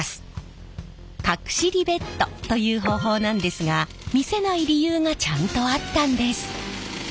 隠しリベットという方法なんですが見せない理由がちゃんとあったんです！